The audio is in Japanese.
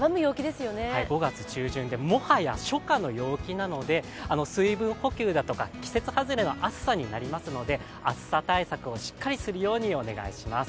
５月中旬で、もはや初夏の陽気なので、水分補給だとか季節外れの暑さになりますので暑さ対策をしっかりするようお願いします。